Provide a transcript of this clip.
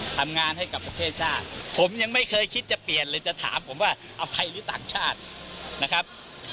ทำงานให้กับประเทศชาติผมยังไม่เคยคิดจะเปลี่ยนเลยจะถามผมว่าเอาใครหรือต่างชาตินะครับ